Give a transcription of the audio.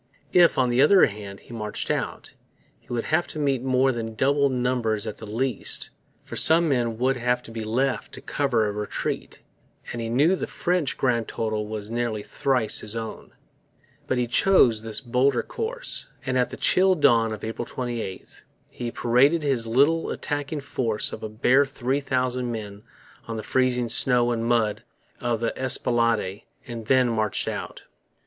If, on the other hand, he marched out, he would have to meet more than double numbers at the least; for some men would have to be left to cover a retreat; and he knew the French grand total was nearly thrice his own. But he chose this bolder course; and at the chill dawn of April 28, he paraded his little attacking force of a bare three thousand men on the freezing snow and mud of the Esplanade and then marched out.